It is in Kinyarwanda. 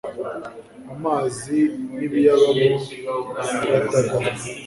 amazi n'ibiyabamo biradagadwa